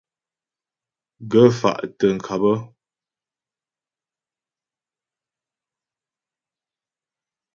Ghə̀ fà' tə ŋkâp.